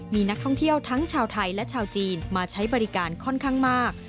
มีนักท่องเที่ยวทั้งชาวไทยและชาวจีนมาใช้บริการค่อนข้างมาก